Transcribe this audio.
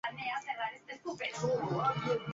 Creció junto a su madre, que era profesora, y su hermana.